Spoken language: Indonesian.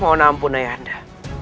mohon ampun ayah anda